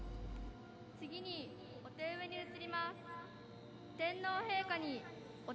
次にお手植えに移ります。